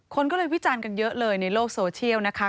คนก็เลยวิจารณ์กันเยอะเลยในโลกโซเชียลนะคะ